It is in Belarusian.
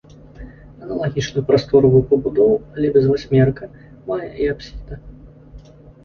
Аналагічную прасторавую пабудову, але без васьмерыка, мае і апсіда.